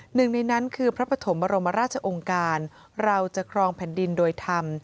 หนึ่งในนั้นคือพระปฐมบรมราชองค์การเราจะครองแผ่นดินโดยธรรม